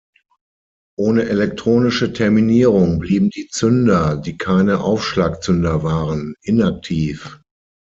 Ohne elektronische Terminierung blieben die Zünder, die keine Aufschlagzünder waren, inaktiv.